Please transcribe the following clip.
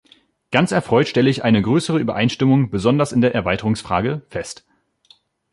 Ganz erfreut stelle ich eine größere Übereinstimmung, besonders in der Erweiterungsfrage, fest.